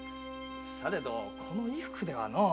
されどこの衣服ではのう。